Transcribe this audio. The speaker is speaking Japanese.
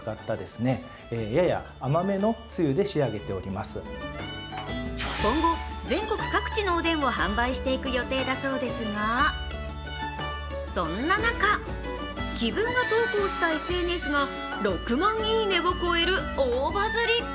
また全国各地のおでんを販売していく予定だそうですが、そんな中、紀文が投稿したＳＮＳで６万いいねを超える大バズり。